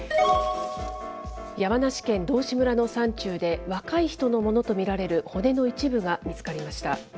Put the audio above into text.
山梨県道志村の山中で、若い人のものと見られる骨の一部が見つかりました。